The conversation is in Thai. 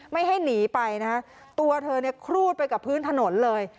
ไม่ให้หนีไปนะคะตัวเธอเนี่ยครูดไปกับพื้นถนนเลย